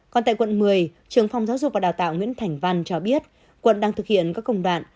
còn tại quận một mươi trường phòng giáo dục và đào tạo nguyễn thành văn cho biết quận đang thực hiện các công đoạn